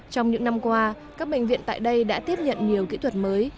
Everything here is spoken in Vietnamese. trong những năm qua các bệnh viện tại đây đã tiếp nhận nhiều kỹ thuật mới